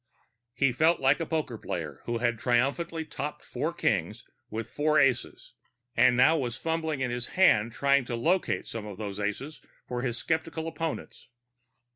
He felt like a poker player who had triumphantly topped four kings with four aces, and now was fumbling in his hand trying to locate some of those aces for his skeptical opponents.